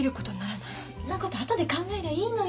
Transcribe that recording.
んなこと後で考えりゃいいのよ。